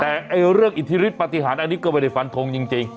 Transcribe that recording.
แต่เรื่องอิทธิฤทธปฏิหารอันนี้ก็ไม่ได้ฟันทงจริง